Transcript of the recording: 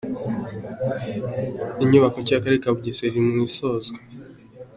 Inyubako nshya y’akarere ka Bugesera iri mu isozwa.